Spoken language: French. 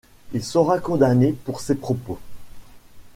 Il sera condamné pour ces propos.